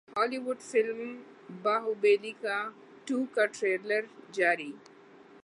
Bali would film Baahubali two کا trailer جاری